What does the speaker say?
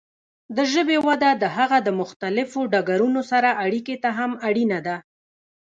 د ژبې وده د هغه د مختلفو ډګرونو سره اړیکې ته هم اړینه ده.